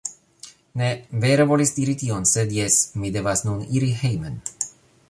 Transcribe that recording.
Ne, vere volis diri tion sed jes, mi devas nun iri hejmen